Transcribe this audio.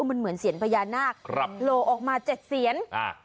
มันเหมือนเสียนพญานาคโหลออกมา๗เสียน